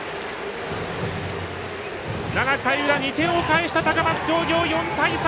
７回の裏、２点を返した高松商業、４対３！